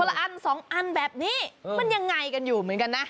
ละอันสองอันแบบนี้มันยังไงกันอยู่เหมือนกันนะ